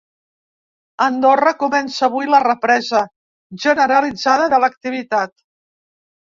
Andorra comença avui la represa generalitzada de l’activitat.